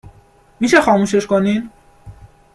می شه خاموشش کنین ؟-